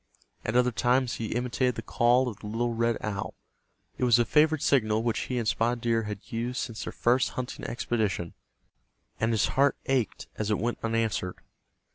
At other times he imitated the call of the little red owl. It was a favorite signal which he and Spotted Deer had used since their first hunting expedition, and his heart ached as it went unanswered.